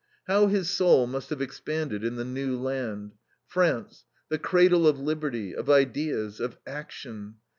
How his soul must have expanded in the new land! France, the cradle of liberty, of ideas, of action.